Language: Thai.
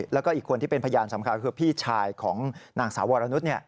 แล้วก็อีกคนที่เป็นพยานสำคัญคือพี่ชายของนางสาววรนุษย์